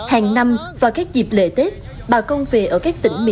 hàng năm vào các dịp lễ tết bà con về ở các tỉnh miền